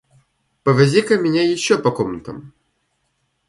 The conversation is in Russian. Повози-ка меня еще по комнатам.